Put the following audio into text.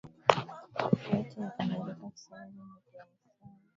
Sauti ya Amerika Kiswahili imekua mstari wa mbele katika kutangaza